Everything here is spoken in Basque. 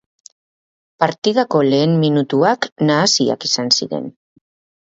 Partidako lehen minutuak nahasiak izan ziren.